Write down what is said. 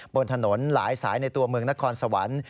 บนถนนหลายสายในตัวเมืองนครสวรรค์